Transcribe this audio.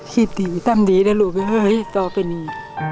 คิดดีต้องดีนะลูกเฮ้ยต่อไปหนี